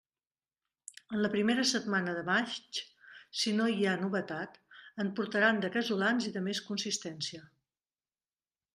En la primera setmana de maig, si no hi ha novetat, en portaran de casolans i de més consistència.